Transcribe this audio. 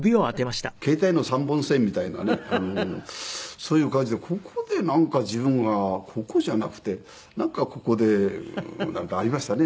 そういう感じでここでなんか自分はここじゃなくてなんかここでなんかありましたね。